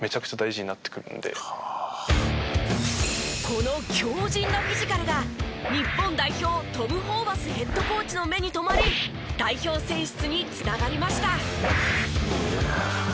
この強靱なフィジカルが日本代表トム・ホーバスヘッドコーチの目に留まり代表選出に繋がりました。